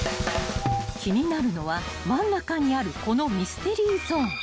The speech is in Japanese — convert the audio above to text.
［気になるのは真ん中にあるこのミステリーゾーン］